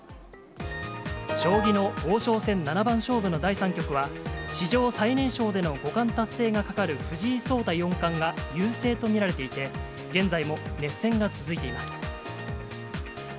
将棋の王将戦七番勝負の第３局は、史上最年少での五冠達成がかかる藤井聡太四冠が優勢と見られていて、現在も熱戦が続いています。